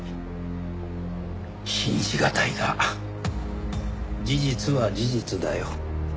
信じがたいが事実は事実だよ。